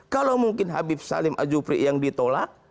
kalau mungkin habib salim ajufri yang ditolak